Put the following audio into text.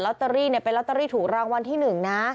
ลอตเตอรี่เนี่ยเป็นลอตเตอรี่ถูกรางวัลที่หนึ่งนะ